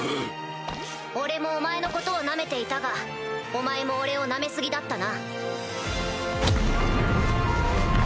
俺もお前のことをナメていたがお前も俺をナメ過ぎだったな。